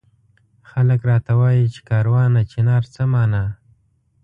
خلک راته وایي چي کاروانه چنار څه مانا؟